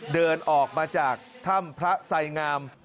เดินออกมาจากถ้ำพระไสงาม